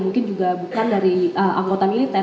mungkin juga bukan dari anggota militer